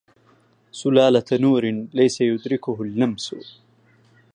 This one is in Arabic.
سلالة نور ليس يدركه اللمس